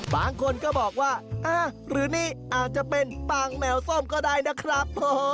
บางคนก็บอกว่าหรือนี่อาจจะเป็นปางแมวส้มก็ได้นะครับ